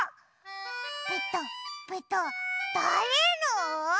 ペタペタだれの？